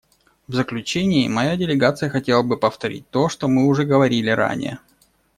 В заключение моя делегация хотела бы повторить то, что мы уже говорили ранее.